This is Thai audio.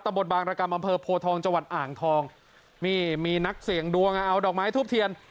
บนบางรกรรมอำเภอโพทองจังหวัดอ่างทองนี่มีนักเสี่ยงดวงอ่ะเอาดอกไม้ทูบเทียน